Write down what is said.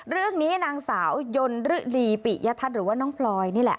เรื่องนี้นางสาวยนฤลีปิยทัศน์หรือว่าน้องพลอยนี่แหละ